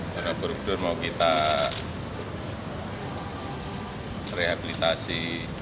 borobudur mau kita rehabilitasi